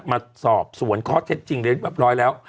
มาสอบสวนข้อเท็จจริงเรียบร้อยแล้ว